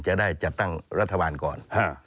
จะได้จัดตั้งรัฐบาลก่อน